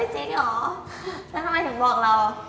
จริงเหรอแล้วทำไมถึงบอกเรา